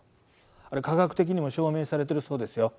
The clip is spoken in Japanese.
あれ科学的にも証明されてるそうですよ。